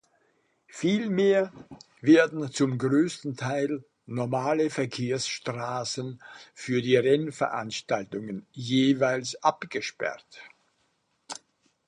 Vielmehr werden zum größten Teil normale Verkehrsstraßen für die Rennveranstaltungen jeweils abgesperrt.